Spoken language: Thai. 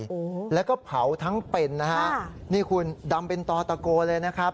โอ้โหแล้วก็เผาทั้งเป็นนะฮะค่ะนี่คุณดำเป็นต่อตะโกเลยนะครับ